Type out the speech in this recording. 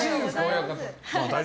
親方。